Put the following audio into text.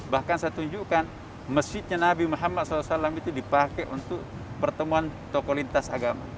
bahkan saya tunjukkan masjidnya nabi muhammad saw itu dipakai untuk pertemuan tokoh lintas agama